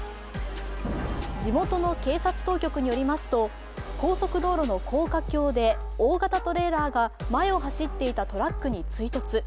地元の警察当局によりますと、高速道路の高架橋で大型トレーラーが前を走っていたトラックに追突。